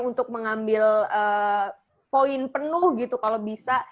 untuk mengambil poin penuh gitu kalau bisa